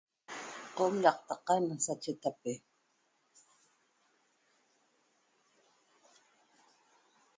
Qom laqtaqa na achetape